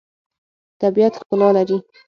طبیعت ښکلا لري.